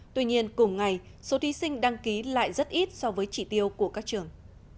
tuy nhiên cùng ngày số thí sinh đăng ký lại rất ít so với chỉ tiêu của các trường